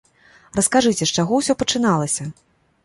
Раскажыце, з чаго ўсё пачыналася?